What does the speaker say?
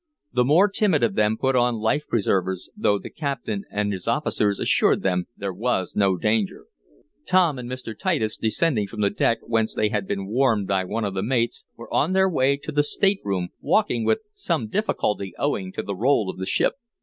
The more timid of them put on life preservers, though the captain and his officers assured them there was no danger. Tom and Mr. Titus, descending from the deck, whence they had been warned by one of the mates, were on their way to their stateroom, walking with some difficulty owing to the roll of the ship.